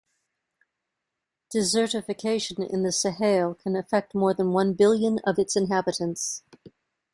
Desertification in the Sahel can affect more than one billion of its inhabitants.